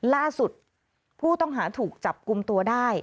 ล่าสุดผู้ต้องหาถูกจับกลุ่มตัวได้